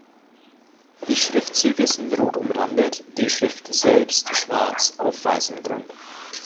Die Schriftzüge sind rot umrandet, die Schrift selbst schwarz auf weißem Grund.